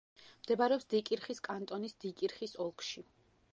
მდებარეობს დიკირხის კანტონის დიკირხის ოლქში.